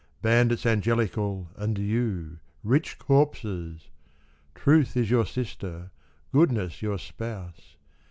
Bandits angelical and you, rich corpses ! Truth is your sister, goodness your spouse.